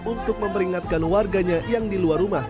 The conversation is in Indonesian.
untuk memperingatkan warganya yang di luar rumah